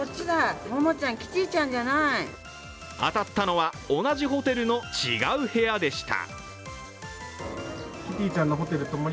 当たったのは同じホテルの違う部屋でした。